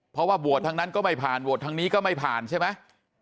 เพราะว่าโหวตทางนั้นก็ไม่ผ่านโหวตทางนี้ก็ไม่ผ่านใช่ไหม